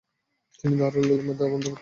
তিনি দারুল উলূম দেওবন্দে ভর্তি হন।